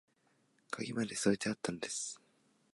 鍵まで添えてあったのです